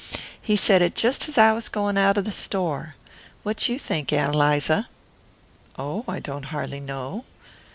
He said it just as I was going out of the store. What you think, Ann Eliza?" "Oh, I don't har'ly know."